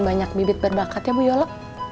banyak bibit berbakat ya bu yolo